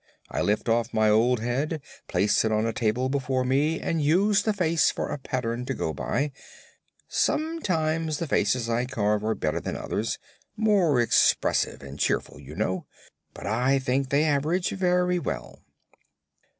I lift off my old head, place it on a table before me, and use the face for a pattern to go by. Sometimes the faces I carve are better than others more expressive and cheerful, you know but I think they average very well."